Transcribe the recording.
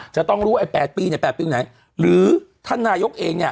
จะต้องรู้ไอ้๘ปีเนี่ย๘ปีไหนหรือท่านนายกเองเนี่ย